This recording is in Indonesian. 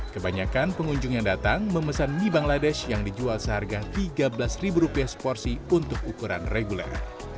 kebanyakan pengunjung yang datang memesan mie bangladesh yang dijual seharga tiga belas seporsi untuk ukuran reguler